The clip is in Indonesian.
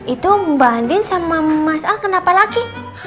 itu banding sama mas al kenapa lagi